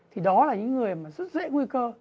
thì đó là những người rất dễ nguy cơ